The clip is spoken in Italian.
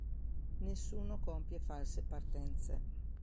Nessuno compie false partenze.